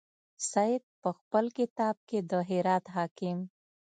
سید په خپل کتاب کې د هرات حاکم.